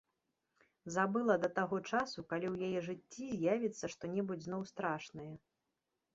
Забыла да таго часу, калі ў яе жыцці з'явіцца што-небудзь зноў страшнае.